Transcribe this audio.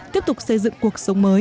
tiếp tục xây dựng cuộc sống mới